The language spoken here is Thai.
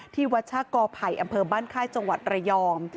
ที่วัดชากอไผ่อำเภอบ้านค่ายจังหวัดระยอง